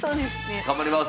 頑張ります！